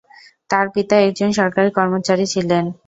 তার পিতা একজন সরকারি কর্মচারী ছিলেন।